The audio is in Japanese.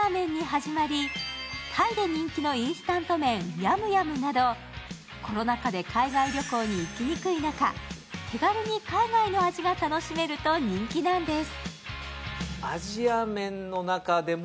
韓国の辛ラーメンに始まり、タイで人気のインスタント麺、ＹｕｍＹｕｍなど、コロナ禍で海外旅行に行きにくい中、手軽に海外の味が楽しめると人気なんです。